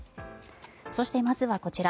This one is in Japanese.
そして、まずはこちら。